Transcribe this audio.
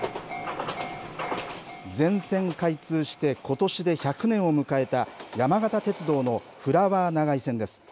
全線開通してことしで１００年を迎えた山形鉄道のフラワー長井線です。